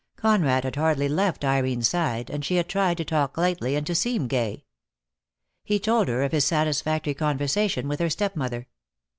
Conrad had hardly left Irene's side, and she had tried to talk lightly and to seem gay. He told her of his satisfactory conversation with her stepmother.